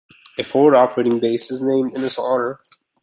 A forward operating base is named in his honor.